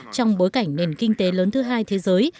trong bối cảnh nền kinh tế lớn thứ hai thế giới